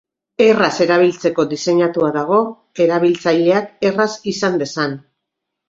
Erraz erabiltzeko diseinatua dago, erabiltzaileak erraz izan dezan.